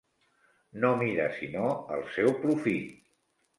No mira sinó el seu profit.